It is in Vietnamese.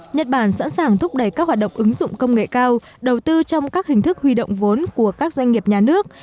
nhật bản sẵn sàng thúc đẩy các hoạt động ứng dụng công nghệ cao đầu tư trong các hình thức huy động vốn của các doanh nghiệp nhà nước